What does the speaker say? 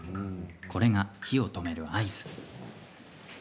これが火を止める合図。